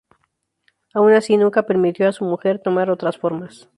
Aun así, nunca permitió a su mujer tomar otras formas.